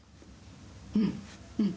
うんうん！